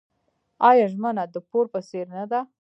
آیا ژمنه د پور په څیر نه ده؟